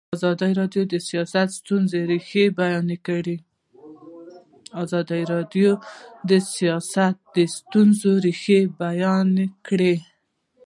ازادي راډیو د سیاست د ستونزو رېښه بیان کړې.